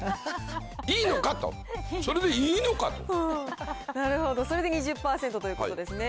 いいのか？と、それでいいのかとなるほど、それで２０％ということですね。